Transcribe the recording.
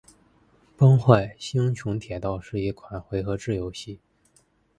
《崩坏：星穹铁道》是一款回合制游戏。